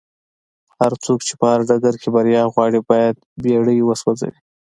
هرڅوک چې په هر ډګر کې بريا غواړي بايد بېړۍ وسوځوي.